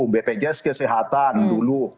bpjs kesehatan dulu